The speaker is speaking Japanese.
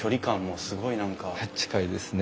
近いですね。